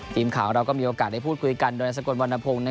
ทีมข่าวเราก็มีโอกาสได้พูดคุยกันโดยแสงกลวันนาโพง